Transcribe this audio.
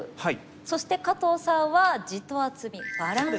そして加藤さんは地と厚みバランス派。